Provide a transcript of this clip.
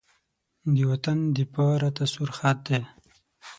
د وطن دفاع راته سور خط دی.